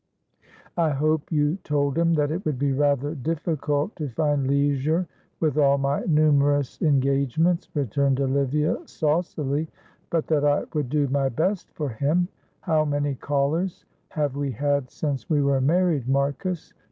"I hope you told him that it would be rather difficult to find leisure with all my numerous engagements," returned Olivia, saucily, "but that I would do my best for him. How many callers have we had since we were married, Marcus?